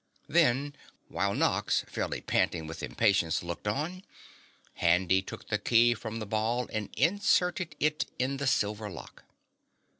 Then, while Nox fairly panting with impatience looked on, Handy took the key from the ball and inserted it in the silver lock.